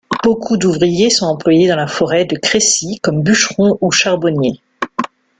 Beaucoup d'ouvriers sont employés dans la forêt de Crécy comme bûcherons ou charbonniers.